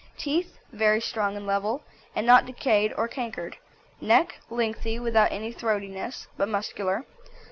TEETH Very strong and level, and not decayed or cankered. NECK Lengthy, without any throatiness, but muscular.